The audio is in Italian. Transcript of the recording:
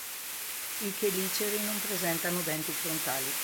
I cheliceri non presentano denti frontali.